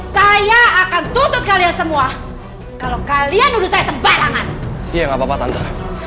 saya akan tutup kalian semua kalau kalian udah saya sembarangan iya nggak papa tante